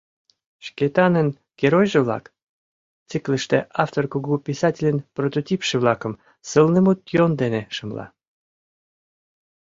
«Шкетанын геройжо-влак» циклыште автор кугу писательын прототипше-влакым сылнымут йӧн дене шымла.